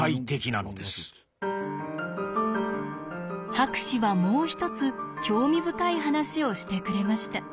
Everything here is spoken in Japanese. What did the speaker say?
博士はもう一つ興味深い話をしてくれました。